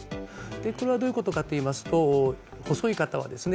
これはどういうことかといいますと細い方はですね